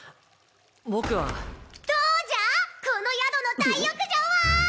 僕はどうじゃこの宿の大浴場は！